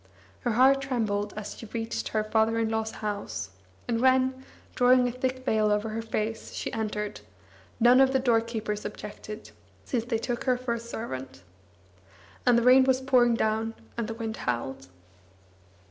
Her heart trembled as she reached her father in law's house; and when, drawing a thick veil over her face, she entered, none of the doorkeepers objected, since they took her for a servant. And the rain was pouring down, and the wind howled.